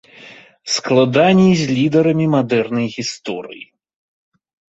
Складаней з лідарамі мадэрнай гісторыі.